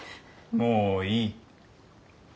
もういい。